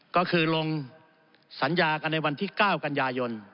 ก็คือลงสัญญากันในวันที่๙กันยายน